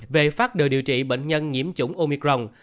về phát đồ điều trị bệnh nhân nhiễm chủng omicron